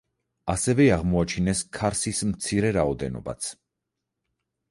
ასევე აღმოაჩინეს ქარსის მცირე რაოდენობაც.